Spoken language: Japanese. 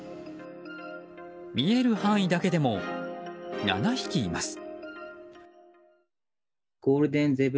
見える範囲だけでも７匹います。